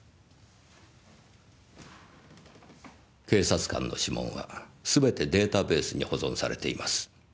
警察官の指紋はすべてデータベースに保存されています。